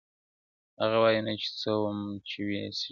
هغه وای نه چي څوم چي ويني سجده نه کوي